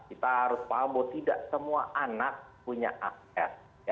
kita harus paham bahwa tidak semua anak punya akses